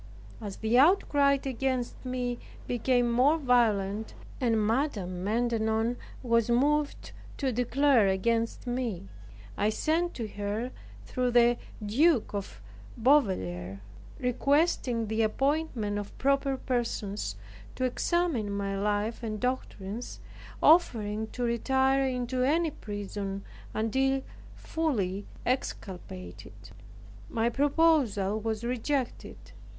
As the outcry against me became more violent, and Madame Maintenon was moved to declare against me, I sent to her through the Duke of Beauvilliers, requesting the appointment of proper persons to examine my life and doctrines, offering to retire into any prison until fully exculpated. My proposal was rejected.